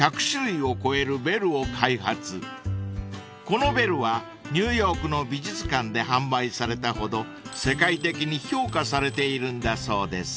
［このベルはニューヨークの美術館で販売されたほど世界的に評価されているんだそうです］